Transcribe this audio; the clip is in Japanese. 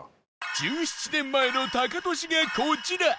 １７年前のタカトシがこちら！